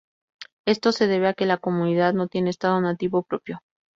Esto se debe a que la comunidad no tiene estado nativo propio.